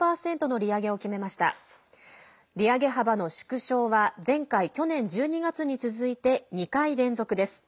利上げ幅の縮小は前回、去年１２月に続いて２回連続です。